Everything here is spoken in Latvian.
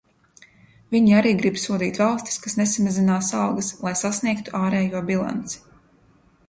Viņi arī grib sodīt valstis, kas nesamazinās algas, lai sasniegtu ārējo bilanci.